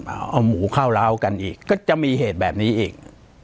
เอาหมูเข้าร้าวกันอีกก็จะมีเหตุแบบนี้อีก